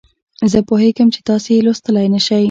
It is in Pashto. زه پوهیږم چې تاسې یې لوستلای نه شئ.